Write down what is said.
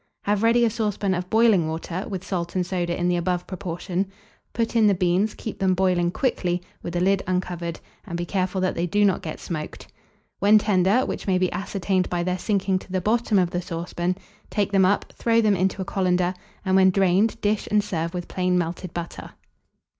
Have ready a saucepan of boiling water, with salt and soda in the above proportion; put in the beans, keep them boiling quickly, with the lid uncovered, and be careful that they do not get smoked. When tender, which may be ascertained by their sinking to the bottom of the saucepan, take them up, throw them into a colander; and when drained, dish and serve with plain melted butter.